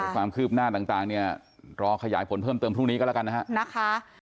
ความคืบหน้าต่างเนี่ยรอขยายผลเพิ่มเติมพรุ่งนี้ก็แล้วกันนะฮะ